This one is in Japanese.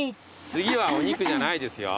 次はお肉じゃないですよ。